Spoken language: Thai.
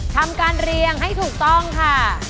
ทำการเรียงให้ถูกต้องค่ะ